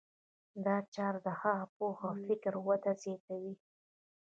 دا چاره د هغه پوهه او فکري وده زیاتوي.